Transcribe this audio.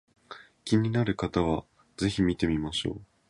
気になる方は是非見てみましょう